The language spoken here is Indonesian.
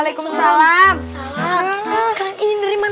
lukman gak mau lihat